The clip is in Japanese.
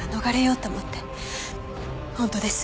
本当です。